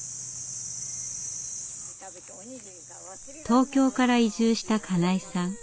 東京から移住した金井さん。